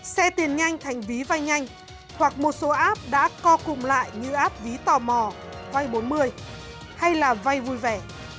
xe tiền nhanh thành ví vay nhanh hoặc một số app đã co cùng lại như app ví tò mò vay bốn mươi hay là vay vui vẻ